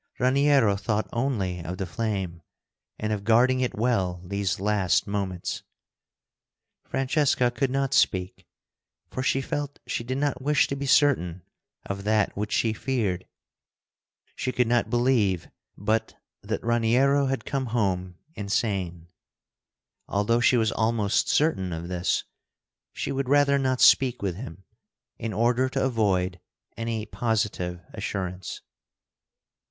Raniero thought only of the flame, and of guarding it well these last moments. Francesca could not speak, for she felt she did not wish to be certain of that which she feared. She could not believe but that Raniero had come home insane. Although she was almost certain of this, she would rather not speak with him, in order to avoid any positive assurance.